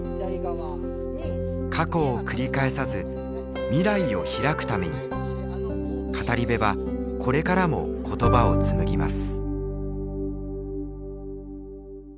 過去を繰り返さず未来を拓くために語り部はこれからも言葉を紡ぎます。